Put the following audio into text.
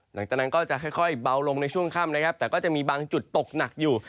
หลังจากนั้นก็จะค่อยเบาลงในช่วงค่ำนะครับแต่ก็จะมีบางจุดตกหนักอยู่